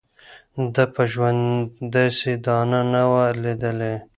ده په ژوند داسي دانه نه وه لیدلې